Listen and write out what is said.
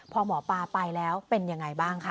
พอหมอปลาไปแล้วเป็นยังไงบ้างคะ